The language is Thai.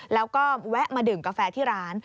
แล้วก็แวะมาดื่มกาแฟที่ร้าน